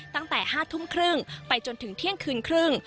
ตั้งแต่๕ทุ่มครึ่งไปจนถึงเที่ยงคืนครึ่ง